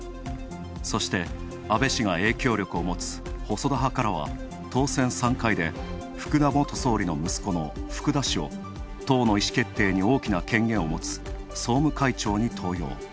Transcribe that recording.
そして、安倍氏が影響力を持つ細田派からは当選３回で福田元総理の息子の福田氏を党の意思決定に大きな権限を持つ総務会長に登用。